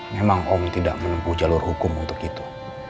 memang om tidak menempuh jalur hukum untuk itu